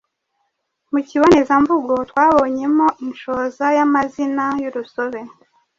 Mu kibonezamvugo twabonyemo inshoza y’amazina y’urusobe.